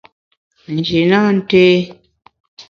Nji nâ nté.